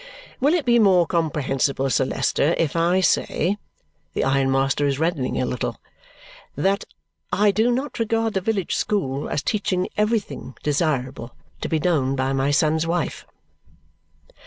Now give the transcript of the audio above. "Will it be more comprehensible, Sir Leicester, if I say," the ironmaster is reddening a little, "that I do not regard the village school as teaching everything desirable to be known by my son's wife?"